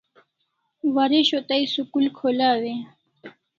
Waresho tai school kholaw e?